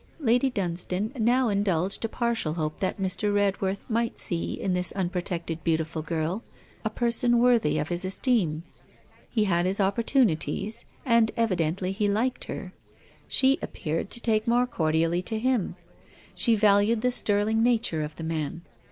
Lady Dunstane now indulged a partial hope that Mr. Redworth might see in this unprotected beautiful girl a person worthy of his esteem. He had his opportunities, and evidently he liked her. She appeared to take more cordially to him. She valued the sterling nature of the man.